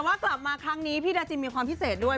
ว่ากลับมาครั้งนี้พี่ดาจินมีความพิเศษด้วย